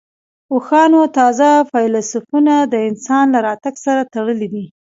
اوښانو تازه فسیلونه د انسان له راتګ سره تړلي دي.